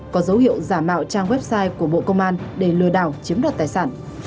có dấu hiệu giả mạo trang website của bộ công an để lừa đảo chiếm đoạt tài sản